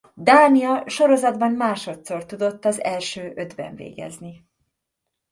Dánia sorozatban másodszor tudott az első ötben végezni.